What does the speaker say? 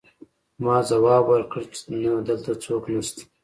ما ځواب ورکړ چې نه دلته څوک نشته